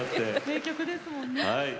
名曲ですもんね。